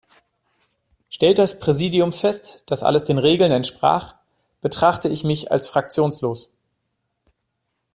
Stellt das Präsidium fest, dass alles den Regeln entsprach, betrachte ich mich als fraktionslos.